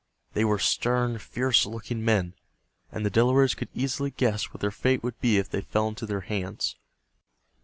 They were stern, fierce looking men, and the Delawares could easily guess what their fate would be if they fell into their hands.